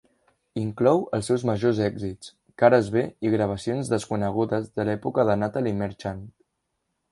Inclou els seus majors èxits, cares B i gravacions desconegudes de l'època de Natalie Merchant.